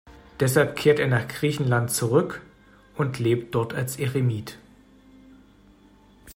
Deshalb kehrt er nach Griechenland zurück und lebt dort als Eremit.